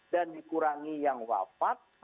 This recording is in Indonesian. dan dikurangi yang wafat